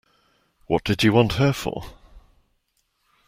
What did you want her for?